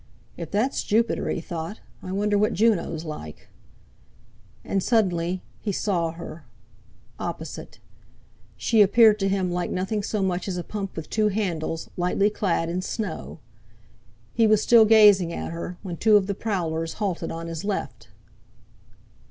'If that's Jupiter,' he thought, 'I wonder what Juno's like.' And suddenly he saw her, opposite. She appeared to him like nothing so much as a pump with two handles, lightly clad in snow. He was still gazing at her, when two of the prowlers halted on his left.